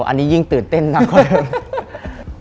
อันนี้ยิ่งตื่นเต้นมากกว่าเดิม